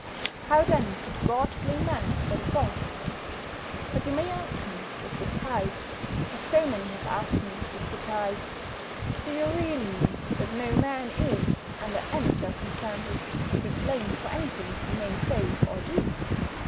How, then, could God blame Man for the Fall? But you may ask me, with surprise, as so many have asked me with surprise, "Do you really mean that no man is, under any circumstances, to be blamed for anything he may say or do?"